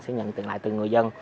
sẽ nhận tiền lại từ người dân